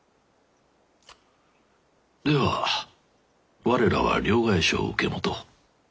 では我らは両替商を受け持とう。